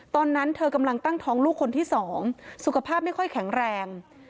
ตอนนั้นเธอกำลังตั้งท้องลูกคนที่๒สุขภาพไม่ค่อยแข็งแรง